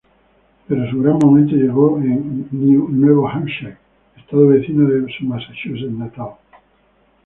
Pero su gran momento llegó en Nuevo Hampshire, estado vecino de su Massachusetts natal.